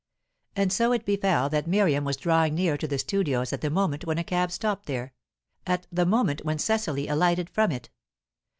And so it befell that Miriam was drawing near to the studios at the moment when a cab stopped there, at the moment when Cecily alighted from it.